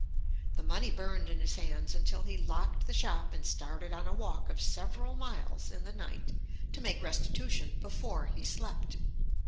The money burned in his hands until he locked the shop and started on a walk of several miles in the night to make restitution before he slept.